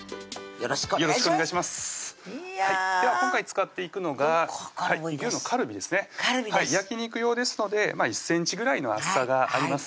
よろしくお願いしますでは今回使っていくのが牛のカルビですね焼肉用ですので１ｃｍぐらいの厚さがあります